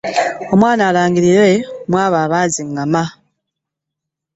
Omwana alangirirwe mu abo abaazingama